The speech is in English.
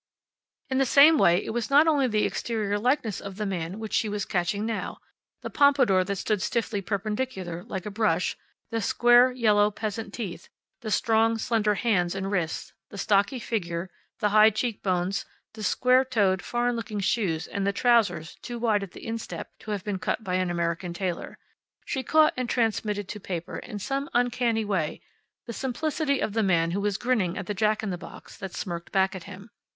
In the same way it was not only the exterior likeness of the man which she was catching now the pompadour that stood stiffly perpendicular like a brush; the square, yellow peasant teeth; the strong, slender hands and wrists; the stocky figure; the high cheek bones; the square toed, foreign looking shoes and the trousers too wide at the instep to have been cut by an American tailor. She caught and transmitted to paper, in some uncanny way, the simplicity of the man who was grinning at the jack in the box that smirked back at him.